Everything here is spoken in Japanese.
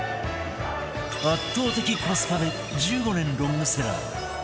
圧倒的コスパで１５年ロングセラー